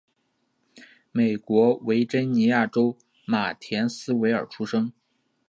美国维珍尼亚州马田斯维尔出生。